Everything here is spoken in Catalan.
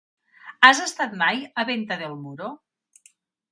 Has estat mai a Venta del Moro?